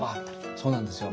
そうなんですよ。